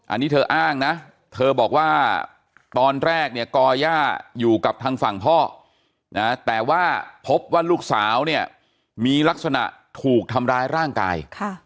อันนี้เธออ้างนะเธอบอกว่าตอนแรกเนี่ยก่อย่าอยู่กับทางฝั่งพ่อนะแต่ว่าพบว่าลูกสาวเนี่ยมีลักษณะถูกทำร้ายร่างกาย